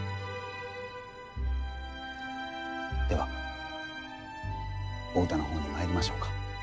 ではお歌の方にまいりましょうか。